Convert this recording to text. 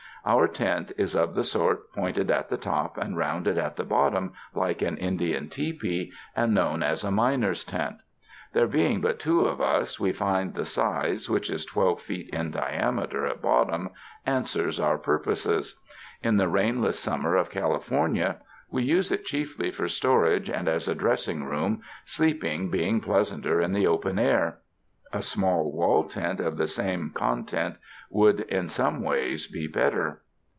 Our tent is of the sort pointed at the top and round at the bottom like an Indian tepee, and known as a miner's tent. There being but two of us, we find the size, which is twelve feet in diameter at bottom, answers our purposes. In the rainless summer of California, we use it chiefly for storage and as a dressing room, sleeping being pleasanter in the open air. A small wall tent of the same con tent would in some ways be better.